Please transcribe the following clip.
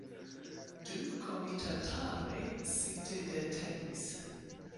Du komitatanoj sintedetenis.